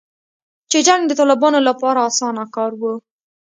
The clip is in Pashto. چې جنګ د طالبانو لپاره اسانه کار و